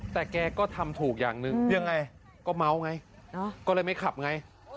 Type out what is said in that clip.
แต่แกก็ทำถูกอย่างหนึ่งยังไงก็เมาไงก็เลยไม่ขับไง